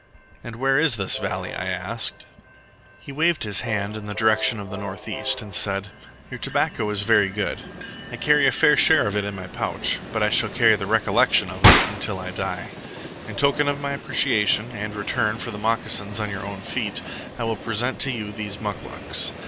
"And where is this valley?" I asked He waved his hand in the direction of the north east, and said: "Your tobacco is very good. I carry a fair share of it in my pouch, but I shall carry the recollection of it until I die. In token of my appreciation, and in return for the moccasins on your own feet, I will present to you these muclucs.